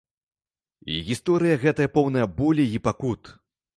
І гісторыя гэтая поўная болі і пакут.